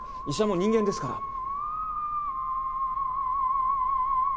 医者も人間ですから。